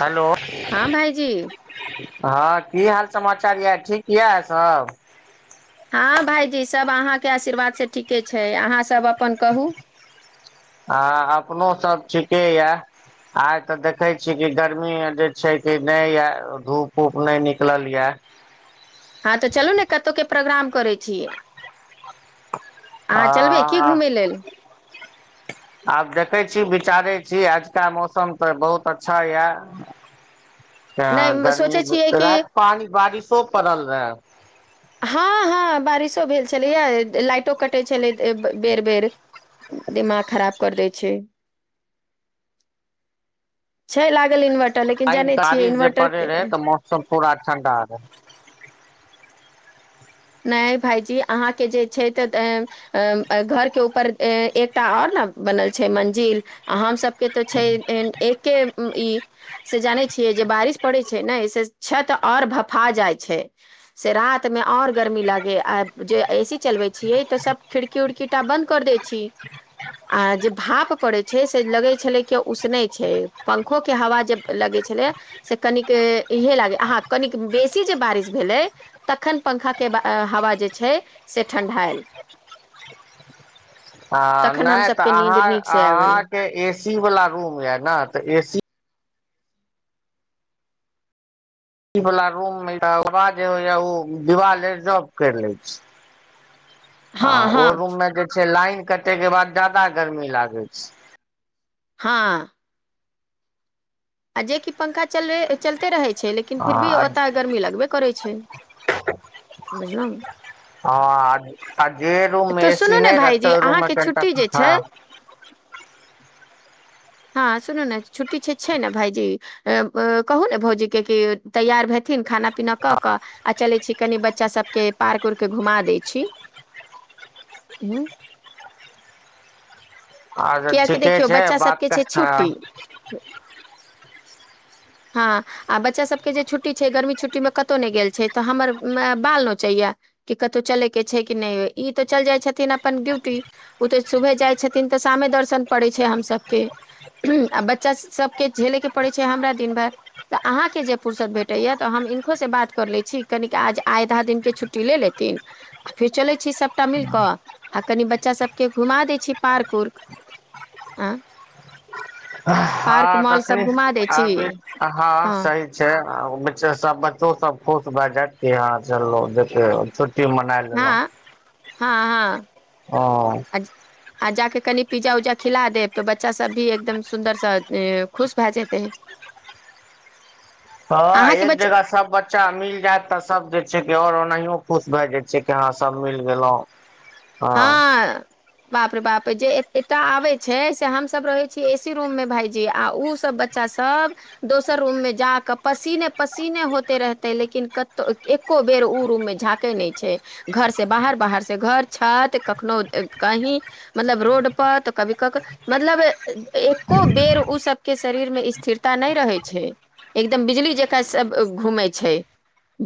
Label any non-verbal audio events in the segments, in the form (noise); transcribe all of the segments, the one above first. Hello हाँ भाईजी हाँ की हाल समाचार यऽ ठीक यए सब हाँ भायजी सभ अहाँके आशीर्वादसे ठीके छै अहाँसब हाँ अपनोसभ ठिके यए आइ तऽ देखे छी कि गर्मी मे जे छै कि नहि ये धूप उप नहि निकल ये (inaudible) हाँ तऽ चलू ने कतहुके प्रोग्राम करै छी अहाँ आ चलबै की घुमय लेल (inaudible) आब देखैत छी विचारैत छी आजुका मौसम तऽ बहुत अच्छा यए नहि म- सोचै गर्मी छियै कि रात पानी बारिशो पड़ल रहए हाँ हाँ बारिशो भेल छलैए लाइटो कटैत छलै बेर बेर दिमाग खराब कर दै छै छै लागल इनवट आ बारिश जे पड़ैत रहै तऽ मौसम पूरा ठणडा रहै नहि भाईजी अहाँके जे छै तऽ घरके ऊपर एकटा आओर बनल छै मंजिल आ हम सबके तो छै एक्के ई से जानै छियै जे बारिश पड़ै छै ने ऐ से छत ओर भफा जाइ छै से रात मे और गर्मी लागे आ ए सी चलबै छीयै तऽ सब खिड़की उड़कीटा बन्द कर दै छी आ जे भाप पड़ैत छै से लगै छलै के उसनै छै पंखो के हवा जे लगे छलै से कनिक इहे लागे हां कनिक बेसी जे बारिश भेलै तखन पंखा के हवा जे छै से ठंढ़ायल आ नइ तऽ अहां से आबि गेल अहाँके एसी वला रूम य ने तऽ एसी सी वला रूममे तह हबा जे होइए ओ दिवाल रिजफ करि लै छै हँ ओ रूममे जे छै लाइन कटयके बाद ज्यादा गरमी लागै छै हां आ जेकि पंखा चल चलते रहै छै लेकिन फिर भी ह ओतय गर्मी लगबे करै छै बुझलहुँ हँ आ जे रूममे तऽ ए सी सुनू ने नइ रहतै भाईजी ओहि रूममे अहाँके कनिटा छुट्टी जे हँ छै हँ सुनू ने छुट्टी छै ने भाईजी कहू ने भौजी के तैयार भे थिन खाना पीना कऽ कऽ आ चलै छी कनि बच्चा सबके पार्क उर्क घुमा दै छी हँ अच्छा ठीके छै बात छै हँ छुट्टी हँ आ बच्चा सबके जे छुट्टी छै गर्मी छुट्टी मे कतहु नइ गेल छै तऽ हमर बाल नोचैया कि कतहु चले के छै कि नइ ई तऽ चल जाइ छथिन अपन ड्यूटी ओ तऽ सुबहे जाइ छथिन तऽ शामे दर्शन पड़ै छै हम सभके आ बच्चा सबके झेले के पड़े छै हमरा दिन भर तऽ अहाँके जे फुर्सत भेटैया तऽ हम हिनको से बात कर ले छी कनिक आज आइधा दिन के छुट्टी ले लेत आ फेर चलै छी सबटा मिल कऽ आ कनि बच्चा सबके घुमा दै छी पार्क उर्क आँ हँ तखनी घुमा दै छी अभी हँ सही छै आ बच्चा सब बच्चो सब खुश भए जायत कि हां चलो देखै छु टि मनाए लेलौं हां हां हं आ जाकऽ कनि पिज्जा उज्जा खिला देब तऽ बच्चा सब भी एकदम सुन्दरसँ खुश भए जेतै (inaudible) हँ अहाँके एक बच्चा जगह सब बच्चा मिल जायत तऽ सब देख छै कि और ओनाहिय खुश भए जाइ छै कि हाँ सब मिल गेलों हँ बाप रे बाप जे एता आबे छै से हम सब रहे छी ए सी रूममे भाईजी आ उ सब बच्चा सब दोसर रूममे जाक पसीने पसीने होते रहते लेकिन कतौ एक्को बेर उ रूममे झाँक नइ छै घर से बाहर बाहर से घर छत कखनो कहीं मतलब रोड पर तऽ कभी क मतलब को बेर ओ सबके शरीर मे स्थिरता नइ रहै छै एकदम बिजली जकाँ सब घूमै छै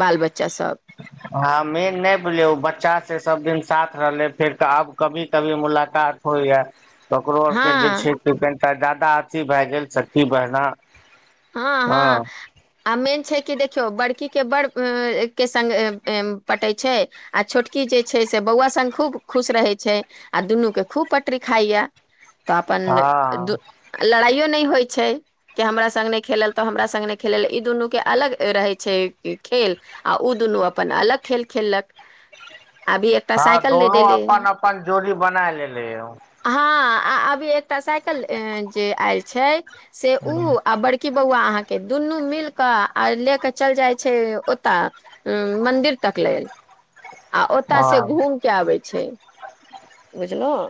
बाल बच्चा सब हं मेन नइ बुझलिय ओ बच्चा से सब दिन साथ रहले फेर आब कभी कभी मुलाकात होइया ओकरो आर हँ के जे छै से कनिटा जादा अथी भए गेल सखी बहना हँ हँ आ मेन छै कि देख बड़की के बड़ के संग पटै छै आ छोटकी जे छै से बौआ संग खूब खुश रहै छै आ दुनू के खूब पटरी खाइया तऽ अपन द हँ लड़ाइयो नहि होइ छै कि हमरा संग नै खेलल तऽ हमरा संग खेलल ई दुनू के अलग रहै छै खेल आ ओ दुनू अपन अलग खेल खेललक अभी एकटा हँ साइकिल ले दोनो देले अपन अपन जोड़ी बना लेले ह हाँ आ अभी एकटा साइकिल जे आयल छै से उ आ बड़क बौआ अहाँ के दुनू मिल क आ ले के चल जाइ छै ओत मंदिर तक लेल आ ओतय से हँ घूम के आबै छै बुझलौं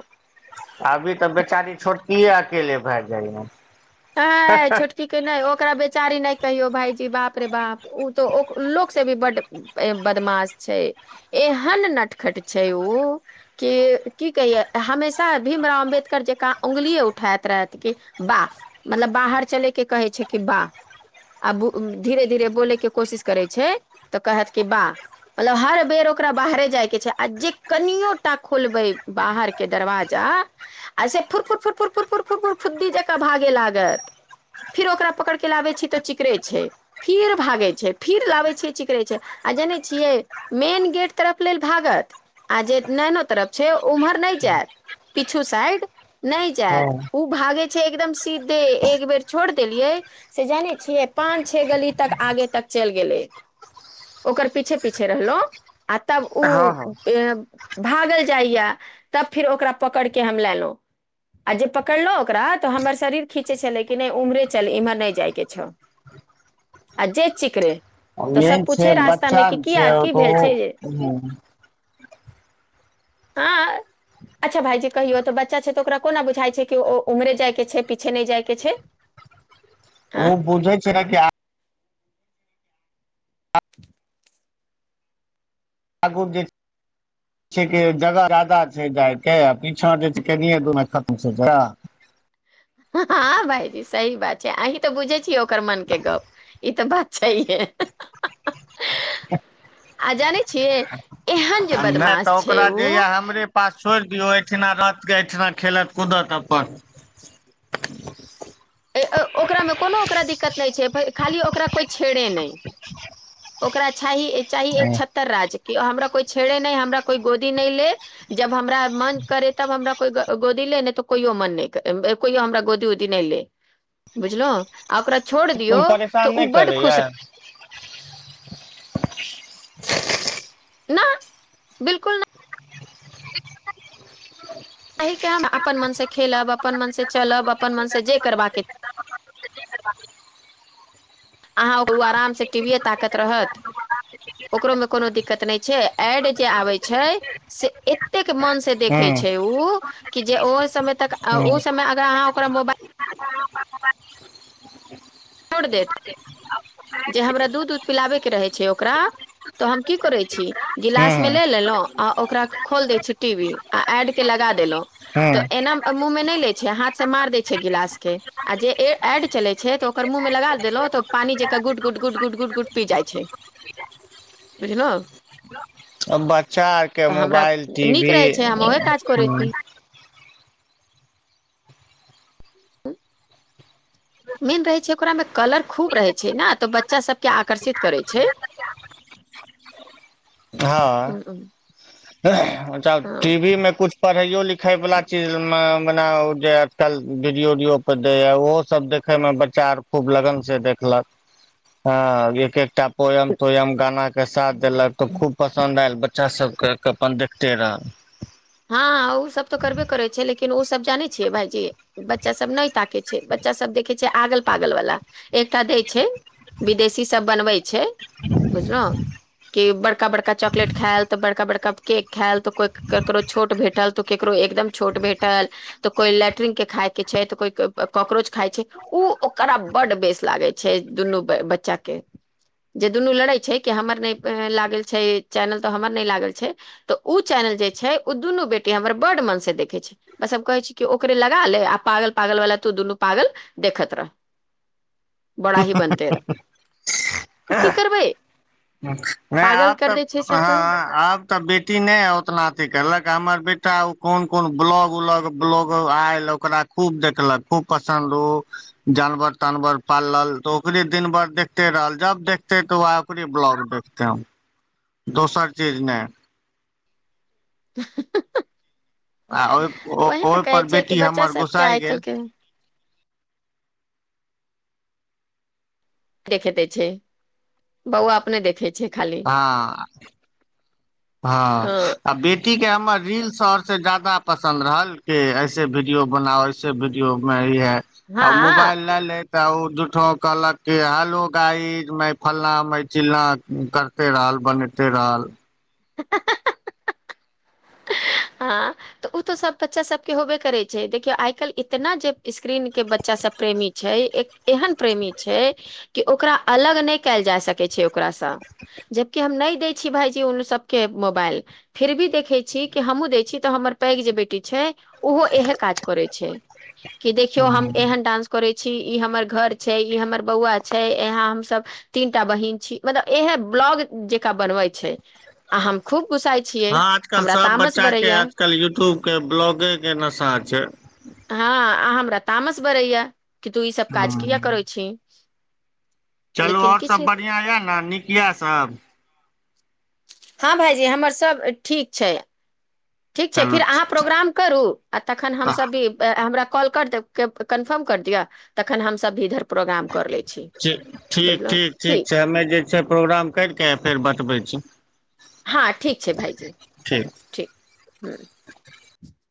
अभी तऽ बेचारी छोटकियए अकेले भए जाइए हय छोटकी के नहि ओकरा बेच बेचारी नहि कहियो भाईजी बाप रे बाप ओ तो लोकग से भी बड्ड बदमाश छै एहन नटखट छै ओ कि की कहियए हमेशा भीमराव अंबे अम्बेडकर जेका उंगलए उठाइत रात के बाप मतलब बाहर चले के कहै छै कि वाह आ धीरे धीरे बोलैके कोशिश करै छै तऽ कहत कि वाह मतलब हर बेर ओकरा बाहरे जायके छै आ जे कनियोटा खोलबै बाहरके दरवाजा आ आ से फुरपुर फुरफुर फुरपुर फुरपुर फुद्दी जकाँ भागे लागत फेर ओकरा पकड़िक लाबै छियै तऽ चिकरे छै फिर भागै छै फिर लाबै छिय चिकरे छै आ आ जानै छियै मेन गेट तरफ लेल भागत आजे नैनो तरफ छै उमर नहि जाइत पीछू साइड नहि जायत हँ ओ भागे छै एकदम सीध दे एक बेर छोड़ देलियै से जानै छियै पाँच छे गली तक आगे तक चलि गेलै ओकर पीछे पीछे रहलहु आ तब हँ हँ ओ भागल जाइए तब फेर ओकरा पकड़ क हम लेलहुँ आ जे पकड़लो ओकरा तो हमर शरीर खीचे छले कि नहि उम्हरे चल इम्हर नहि जाइ के छौ आ जे चिकरे तऽ मेन सब छै पूछे रास्ता मे बच्चा कि छै किया की त भेल छै हँ अच्छा भाईजी कहियो तऽ बच्चा छै तऽ ओकरा कोना बुझाई छै कि ओ उमरे जाय के छै प पछ नहि जायके छै हँ ओ बुझाई जा छै हठ (unintelligible) आगू जे जगह जादा छै पीछा कनिए दुरमे द खतम छै जा हँ भाायजी सही बात छै अहीं तऽ बुझे छियै ओकर मन के गप ई तऽ बात छै हे (unintelligible) आ जानै छियै एहन जे नहि तऽ बदमाश छै ओकरा उ जे य हमरे पास छोड़ एहिठिना रथ के एहिठिना खेलत कूदत अपन ओकरामे कोनो ओकरा दिक्कत नहि छै खाली ओकरा कोइ छेड़े नहि ओकरा चाही चाही एकत्तर राज्यके हमरा कोई छेड़े न हमरा कोई गोदी न ले जब हमरा मन करे तब हमरा कोई गोदी नहि तऽ कहियो मन नहि कहि हमरा गोदी उदी नहिले बुझल आ ओकरा छोड़ दियौ परेशान तऽ ओ नहि बड करैया खुश न बिलकुल नहि तके हम अपन मनसँ खेलब अपन मनसँ चलब अपन मनसँ जे करबाक अहाँ ओ आरामसँ टीवीए ताकत रहत ओकरोमे कोनो दिक्कत नहि छै एड जे आबै छै से एतेक मन से हूँ देखै छै ओ कि जे ओ समय तक हूँ ओ समय अगर अहाँ ओकरा मोबाइल छोड़ देत (inaudible) जे हमरा दूध उध पिलाबेके रहै छै ओकरा तऽ हम की करैत छी गिलास मे हूँ ले लेलहुं आ ओकरा खोल दै छी टीवी आ एड के हूँ मु ल हाथ से मार द छै गिलास के आ छै त ओकर मुहमे लग देलहु तऽ पानि जे गुट गुट गुट गुट गुट गुट पी जाइ छै बुझलहु अब बच्चा आरके तऽ हमरा मोबाइल टी वी नीक रहै छै हम ओहे काज करैत छी ह ह मेन रहै छै ओकरा मे कलर खूब रहै छै ने तऽ बच्चा सबके आकर्षित करै छै हँ टी वी मे कछु पढ़ाइयो लिखाइवला चीज में मने जे कल वीडियो उडियो पर दै ह ओहो सब देखे मे बच्चा आ खूब लगन से देखलक हँ (unintelligible) एकटा पोयम तोयम गाना के साथ देलक तो खूब पसंन्द आयल बच्चा सब के अपन तेरह हँ उ ओ सब तऽ करबे करे छै लेकिन ओ सब जाने छियै भाायजी बच्चा सब नहि ताके छै बच्चा सब देखे छै आगल पागल वाला एकटा दै छै विदेशी सब बनबै छै बुझल‌उ कि बड़का बड़का चॉकलेट खायएल तऽ बड़का बड़का केक खायएल तऽ कोइ ककोर छोट भेटल तऽ केकरो एकदम छोट भेटल तऽ कोई लैट्रिग के खााय के छै तऽ कोइ ककरोज खाइ छै ओ ओकरा बड् बेस लागै छै दुनू बच्चा के जे दुनू लड़ै छै कि हमर नहि लागल छै चैनल तऽ हमर नहि लागल छै तऽ ओ चैनल जाइ छै उ दुनू बेटी हमर बड मन से देखे छै बस सब कहे छै ओकरे ला ले आ पागल पागल वाला तू दुनू प पागल देखत रह (inaudible) बड़ा ही बनते रह ह तऽ की करबै ह (unintelligible) नाइ पागल आब तऽ कर दै छै से तऽ हँ आब तऽ बेटी नहि है ओतना अथी करलक हमर बेटा ओ कोन कोन ब्लॉग उलॉग ब्लॉग आयल ओकरा खूब देखलक खूब पसन्द जानवर तानवर पालल तऽ ओकरे दिन भर देखते रहल जब देखते त उहै ओकर ब्लॉग देखत दोसर चीज ने (inaudible) तऽ आ ओहि वही ने कहै ओहिपर छै कि बेटी बच्चा हमर सबके गुस्साइ आइ गेल काल्हिके देखे दे छै बौआ अपने देखे छै खाली हँ हँ आ बेटी के हमर रील सब से ज्यादा पसन्द रहल के ऐसे वीडियो बनाउ ऐसे वीडियो में आ हँ मोबइल ले तऽ आ (unintelligible) झूठहो कहलक के हलो गायज मैं फलना में चिलना करते रहल बने ते रहल (inaudible) हँ तऽ ओ तऽ सब बच्चा सबके होबे करै छै। देखियौ आइ काल्हि इतना जे स्क्रीन के बच्चा सब प्रेमी छै। एक एहन प्रेमी छै। कि ओकरा अलग नहि कयल जा सकै छै। छै ओकासँ जबकि हम नहि न दै छी भाइजी उ सबके मोबाइल फिर भी देखै छी कि हमहुँ दय छी तऽ हमर पैघ जे बेटी छै। ओहो इहे काज करे छै। की देखियो हम हँ एहन डासं करे छी हमर घर छै। ई हमर बौआ छै यहाँ हमसब तीनटा बहिन छी मतलब इहै ब्लॉग जेका बनवाई छे हम खूब गुसाई छीय आजकल हमरा सब तामस बच्चा के बड़ैया आजकल यूट्यूब के ब्लॉगे के नशा छै हँ अ हमरा तामस बरैया कि तू ईसभ काज कि या हँ, करै छी चलू लेकिन ओर किछु सभ बढ़िआँ यए ने नीक यए सभ हँ भाायजी हमर सभ ठीक छै। ठीक छै। चलू फीर हां प्रोग्राम करु तखन हम सब भी हमरा कॉल करदेब के कंफर्म कर दियै तखन हम सब भी इधर प्रोग्राम कर लै छी ठीक ठीक ठीक ठीक छै हमे जे छै प्रोग्राम करिके फेर बतबै छी अच्छा हँ ठीक छै। भइजी ठीक ह